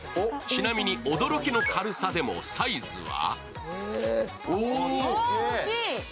ちなみに驚きの軽さでも、サイズは？